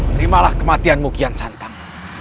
terimalah kematian mugian santam